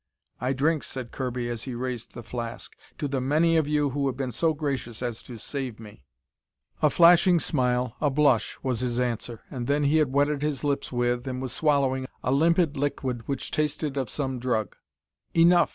"I drink," said Kirby as he raised the flask, "to the many of you who have been so gracious as to save me!" A flashing smile, a blush was his answer. And then he had wetted his lips with, and was swallowing, a limpid liquid which tasted of some drug. "Enough!"